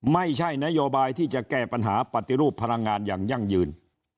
ไม่ใช่นโยบายที่จะแก้ปัญหาปฏิรูปพลังงานอย่างยั่งยืน